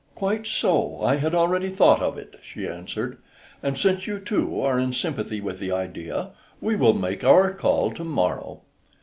"Quite so; I had already thought of it," she answered, "and since you, too, are in sympathy with the idea, we will make our call to morrow."